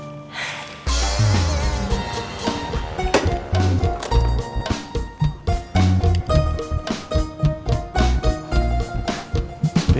diagnosa dan penyembuhan